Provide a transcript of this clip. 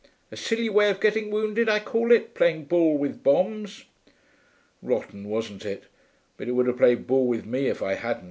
A silly way of getting wounded, I call it, playing ball with bombs.' 'Rotten, wasn't it? But it would have played ball with me if I hadn't.